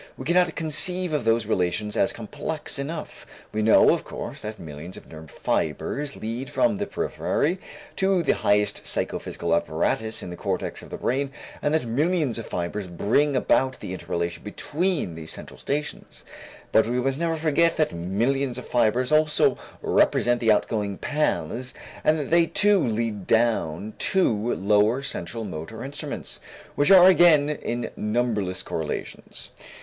We cannot conceive of those relations as complex enough; we know, of course, that millions of nerve fibers lead from the periphery to the highest psychophysical apparatus in the cortex of the brain and that millions of fibers bring about the interrelation between these central stations, but we must never forget that millions of fibers also represent the outgoing paths and that they too lead down to lower central motor instruments which are again in numberless corelations.